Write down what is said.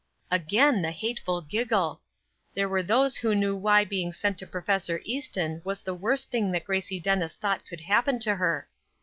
Again the hateful giggle! There were those who knew why being sent to Prof. Easton was the worst thing that Gracie Dennis thought could happen to her.